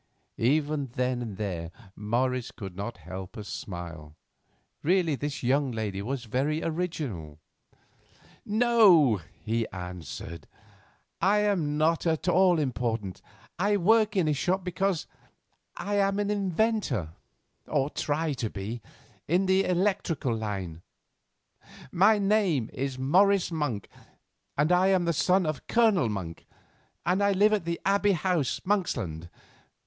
Even then and there Morris could not help a smile; really this young lady was very original. "No," he answered, "I am not at all important, and I work in a shop because I am an inventor—or try to be—in the electrical line. My name is Morris Monk, and I am the son of Colonel Monk, and live at the Abbey House, Monksland.